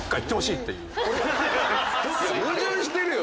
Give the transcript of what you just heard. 矛盾してるよ！